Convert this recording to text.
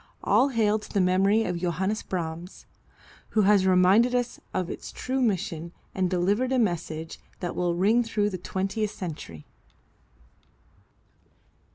All hail to the memory of Johannes Brahms, who has reminded us of its true mission and delivered a message that will ring through the twentieth century.